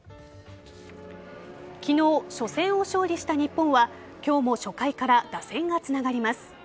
昨日、初戦を勝利した日本は今日も初回から打線がつながります。